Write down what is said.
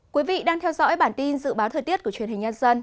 quý vị đang theo dõi bản tin dự báo thời tiết của truyền hình nhân dân